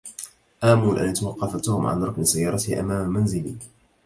آمل أن يتوقف توم عن ركن سيارته أمام منزلي.